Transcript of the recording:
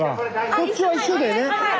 こっちは一緒だよね？